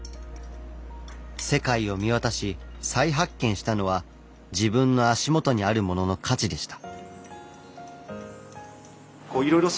世界を見渡し再発見したのは自分の足元にあるものの価値でした。